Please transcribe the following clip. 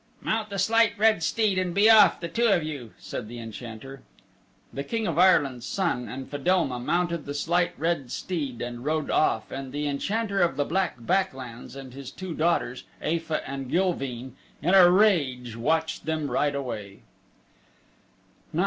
"Mount the Slight Red Steed and be off, the two of you," said the Enchanter. The King of Ireland's Son and Fedelma mounted the Slight Red Steed and rode off, and the Enchanter of the Black Back Lands, and his two daughters, Aefa and Gilveen, in a rage watched them ride away.